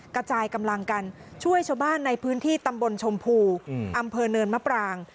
กระจายกำลังกันช่วยชาวบ้านในพื้นที่ตำบลชมพูอำเภอเนินมะปราง